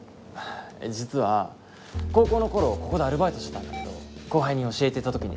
実は高校の頃ここでアルバイトしてたんだけど後輩に教えてた時にさ。